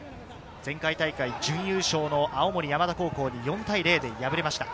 前回大会準優勝の青森山田高校に４対０で敗れました。